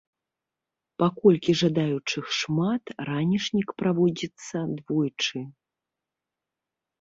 Паколькі жадаючых шмат, ранішнік праводзіцца двойчы.